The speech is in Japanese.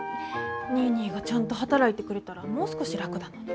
ニーニーがちゃんと働いてくれたらもう少し楽だのに。